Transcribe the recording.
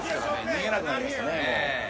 逃げなくなりましたね。